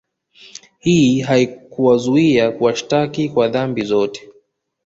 Hii haikuwazuia kuwashtaki kwa dhambi zote